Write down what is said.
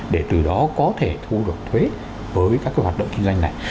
để từ đó có thể thu được thuế với các cái hoạt động kinh doanh này